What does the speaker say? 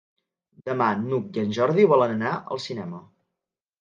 Demà n'Hug i en Jordi volen anar al cinema.